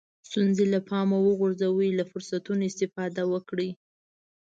ستونزې له پامه وغورځوئ له فرصتونو استفاده وکړئ.